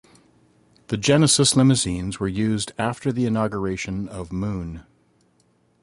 The Genesis limousines were used after the inauguration of Moon.